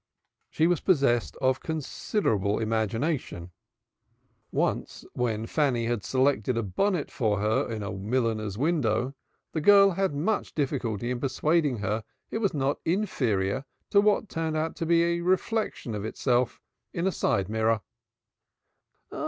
She was possessed of considerable imagination, and once when Fanny selected a bonnet for her in a milliner's window, the girl had much difficulty in persuading her it was not inferior to what turned out to be the reflection of itself in a side mirror.